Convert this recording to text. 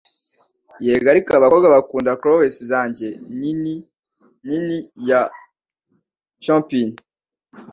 Yego ariko abakobwa bakunda clows zanjye ninini nini ya chompin